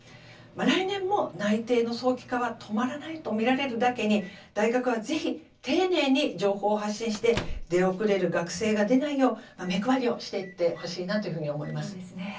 来年も内定の早期化は止まらないと見られるだけに大学はぜひ丁寧に情報を発信して出遅れる学生が出ないよう目配りをしていってほしいなというふうに思います。